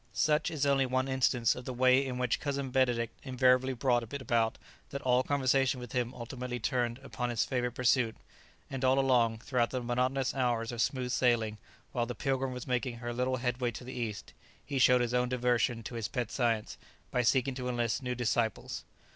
Such is only one instance of the way in which Cousin Benedict invariably brought it about that all conversation with him ultimately turned upon his favourite pursuit, and all along, throughout the monotonous hours of smooth sailing, while the "Pilgrim" was making her little headway to the east, he showed his own devotion to his pet science, by seeking to enlist new disciples.